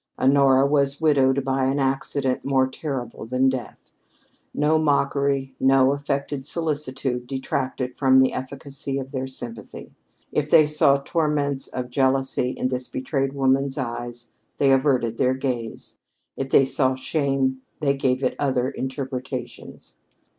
Honora was widowed by an accident more terrible than death. No mockery, no affected solicitude detracted from the efficacy of their sympathy. If they saw torments of jealousy in this betrayed woman's eyes, they averted their gaze; if they saw shame, they gave it other interpretations.